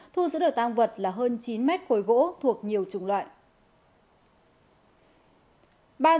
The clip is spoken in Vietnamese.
thu giữ được tăng vật là hơn chín mét khối gỗ thuộc nhiều chủng loại